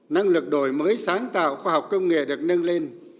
năng lực đổi mới sáng tạo khoa học công nghệ được nâng lên